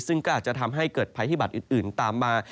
ซึ่งก็อาจจะทำให้เกิดภัยพิบัตรอื่นตามมา